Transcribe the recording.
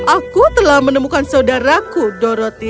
aku telah menemukan saudaraku dorothy